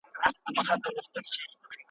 د زړه آواز دی څوک به یې واوري؟ ,